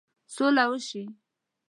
سوله وشي.